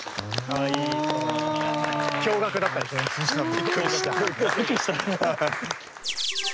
びっくりした？